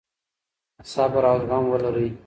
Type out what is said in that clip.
صبر او زغم ولرئ.